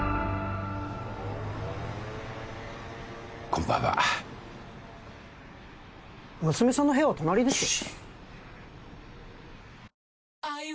こんばんは娘さんの部屋は隣ですよ